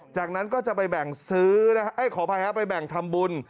จากนั้นก็จะไปแบ่งซื้อนะฮะขออภัยครับไปแบ่งทำบุญ